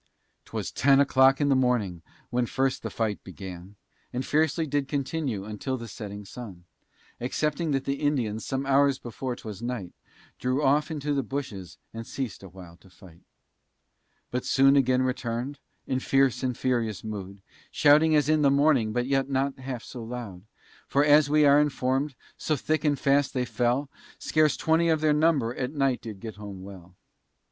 'Twas ten o'clock in the morning when first the fight begun, And fiercely did continue until the setting sun; Excepting that the Indians some hours before 'twas night Drew off into the bushes and ceas'd awhile to fight, But soon again returned, in fierce and furious mood, Shouting as in the morning, but yet not half so loud; For as we are informed, so thick and fast they fell, Scarce twenty of their number at night did get home well.